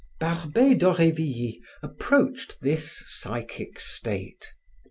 Barbey d'Aurevilly approached this psychic state.